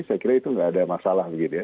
saya kira itu nggak ada masalah begitu ya